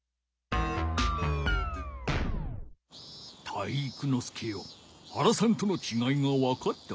体育ノ介よ原さんとのちがいがわかったかな？